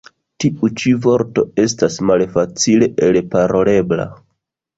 Tiu ĉi vorto estas malfacile elparolebla.